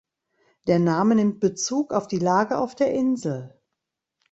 Der Name nimmt Bezug auf die Lage auf der Insel.